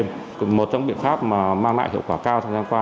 một trong những biện pháp mang lại hiệu quả cao trong gian qua